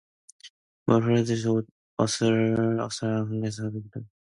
물 흐르는 옷에서 어슬어슬 한기가 솟아나기 비롯하매